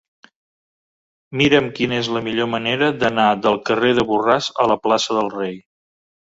Mira'm quina és la millor manera d'anar del carrer de Borràs a la plaça del Rei.